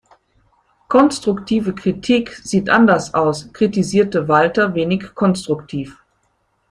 Konstruktive Kritik sieht anders aus, kritisierte Walter wenig konstruktiv.